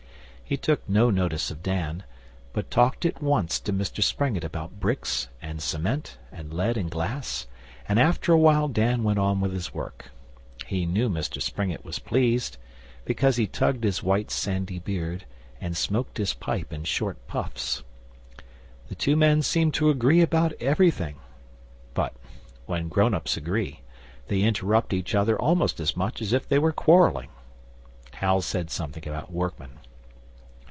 He took no notice of Dan, but talked at once to Mr Springett about bricks, and cement, and lead and glass, and after a while Dan went on with his work. He knew Mr Springett was pleased, because he tugged his white sandy beard, and smoked his pipe in short puffs. The two men seemed to agree about everything, but when grown ups agree they interrupt each other almost as much as if they were quarrelling. Hal said something about workmen.